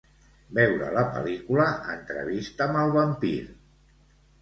Veure la pel·lícula "Entrevista amb el vampir".